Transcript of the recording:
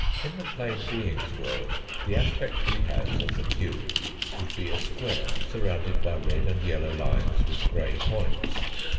In the plane being's world the aspect he has of the cube would be a square surrounded by red and yellow lines with grey points.